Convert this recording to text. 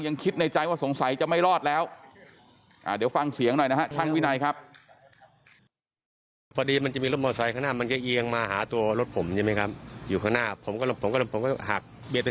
คิดในใจว่าสงสัยจะไม่รอดแล้วเดี๋ยวฟังเสียงหน่อยนะฮะช่างวินัยครับ